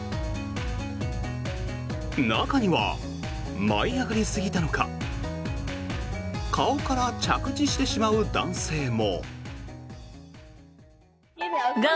中には、舞い上がりすぎたのか顔から着地してしまう男性も。